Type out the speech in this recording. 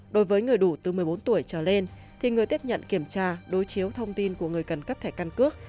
đối với người đủ từ một mươi bốn tuổi trở lên thì người tiếp nhận kiểm tra đối chiếu thông tin của người cần cấp thẻ căn cước